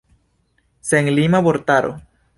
Senlima vortaro.